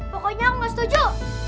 pokoknya aku gak setuju